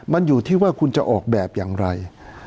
มันอยู่ที่ว่าคุณจะออกแบบอย่างไร